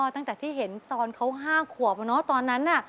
ตั้งแต่ที่เห็นตอนเขา๕ขวบตอนนั้นน่ะ